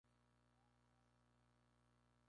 El Sr. Hulot intentará que mejore esa situación.